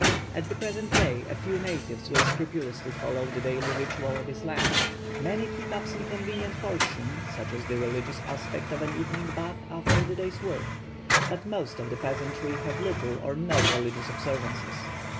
At the present day a few natives will scrupulously follow the daily ritual of Islam; many keep up some convenient portion, such as the religious aspect of an evening bath after the day's work; but most of the peasantry have little or no religious observances.